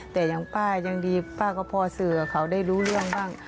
แต่อย่างป้ายังดีป้าก็พอสื่อกับเขาได้รู้เรื่องบ้าง